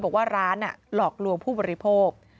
บอกว่าร้านหลอกลวงผู้บริโภค